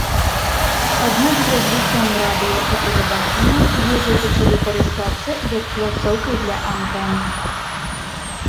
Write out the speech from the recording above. Аднак з развіццём радыё і тэлебачання вежай пачалі карыстацца як пляцоўкай для антэн.